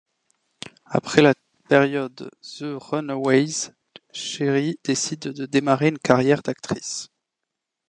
Après la période The Runaways, Cherie décide de démarrer une carrière d'actrice.